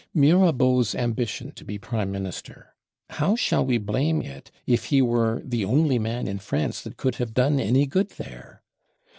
Mirabeau's ambition to be Prime Minister, how shall we blame it, if he were "the only man in France that could have done any good there"?